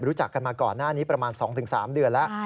รู้จักกันมาก่อนหน้านี้ประมาณ๒๓เดือนแล้ว